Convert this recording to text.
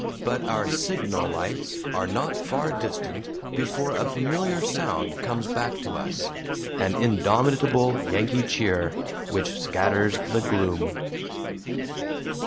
But our signal lights are not far distant before a familiar sound comes back to us an indomitable Yankee cheer which scatters the gloom.